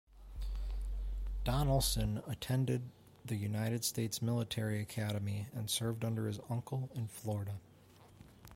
Donelson attended the United States Military Academy and served under his uncle in Florida.